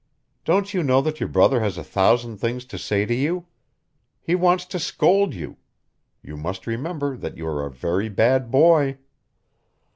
Don't you know that your brother has a thousand things to say to you? He wants to scold you; you must remember that you are a very bad boy."